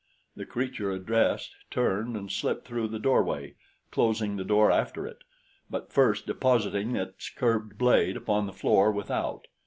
The creature addressed turned and slipped through the doorway, closing the door after it, but first depositing its curved blade upon the floor without.